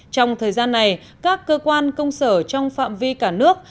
trong thời gian này các cơ quan công sở trong phạm vi cả nước